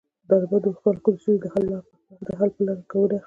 طالبان د خلکو د ستونزو د حل په لاره کې ګامونه اخلي.